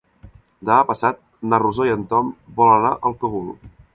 Demà passat na Rosó i en Tom volen anar al Cogul.